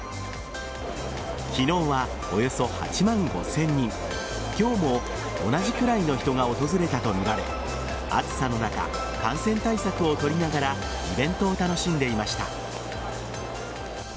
昨日は、およそ８万５０００人今日も同じくらいの人が訪れたとみられ暑さの中、感染対策を取りながらイベントを楽しんでいました。